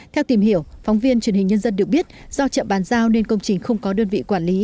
theo tìm hiểu phóng viên truyền hình nhân dân được biết do chậm bàn giao nên công trình không có đơn vị quản lý